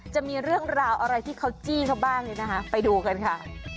จะมีเรื่องราวอะไรที่เขาจี้เขาบ้างเนี่ยนะคะไปดูกันค่ะ